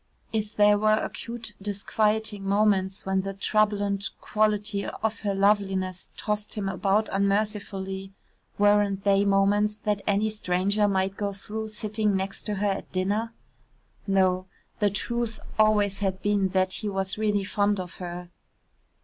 If there were acute disquieting moments when the troublante quality of her loveliness tossed him about unmercifully weren't they moments that any stranger might go through sitting next to her at dinner? No the truth always had been that he was really fond of her.